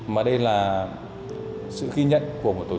mà đây là sự ghi nhận của người việt